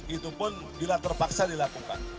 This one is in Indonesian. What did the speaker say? itu pun bila terpaksa dilakukan